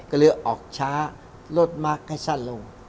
เหลือออกช้าลดมาคงให้สั้นลง